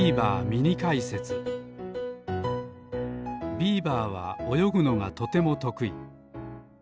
ビーバーはおよぐのがとてもとくい。